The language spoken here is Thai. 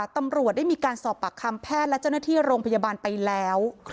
ตำรวจได้มีการสอบปากคำแพทย์และเจ้าหน้าที่โรงพยาบาลไปแล้ว